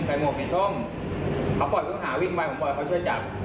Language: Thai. หมวกสีส้มเขาปล่อยผู้ต้องหาวิ่งไปผมปล่อยเขาช่วยจับ